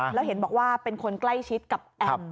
แล้วเห็นบอกว่าเป็นคนใกล้ชิดกับแอม